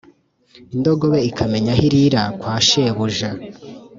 indogobe ikamenya aho irira kwa shebuja,